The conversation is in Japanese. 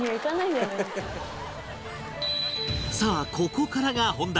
さあここからが本題